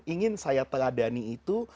ingin saya teladani itu